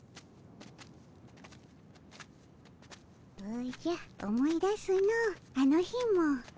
おじゃ思い出すのあの日も。